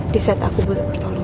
di saat aku butuh pertolongan